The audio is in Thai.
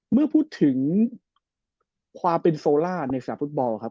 เมื่อพูดถึงสโทล่ะในสนามฟุตบอลครับ